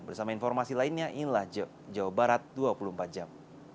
bersama informasi lainnya inilah jawa barat dua puluh empat jam